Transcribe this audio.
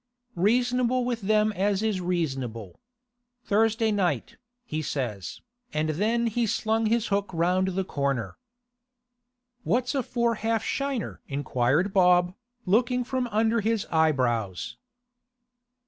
Reasonable with them as is reasonable. Thursday night," he says, and then he slung his hook round the corner.' 'What's a four half shiner?' inquired Bob, looking from under his eyebrows.